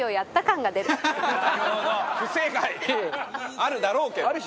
あるだろうけど。